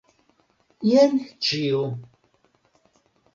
Jen ĉio!